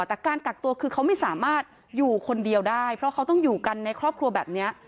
แต่การกักตัวคือเขาไม่สามารถอยู่คนเดียวได้เพราะเขาต้องอยู่กันในครอบครัวแบบนี้